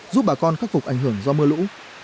giúp bà con khắc phục ảnh hưởng do mưa lũ